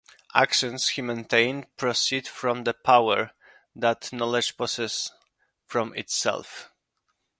Actions, he maintained, proceed from the "power" that knowledge possesses "from itself".